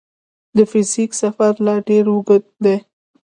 د فزیک سفر لا ډېر اوږ دی.